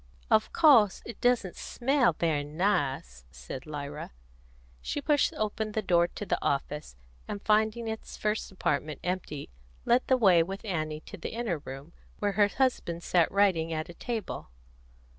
"Of course it doesn't smell very nice," said Lyra. She pushed open the door of the office, and finding its first apartment empty, led the way with Annie to the inner room, where her husband sat writing at a table.